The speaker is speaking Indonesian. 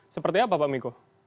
seperti apa pak miko